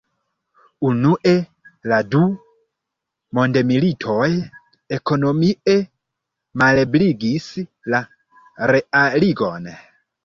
Unue la du mondmilitoj ekonomie malebligis la realigon.